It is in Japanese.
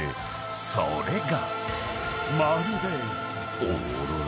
［それが］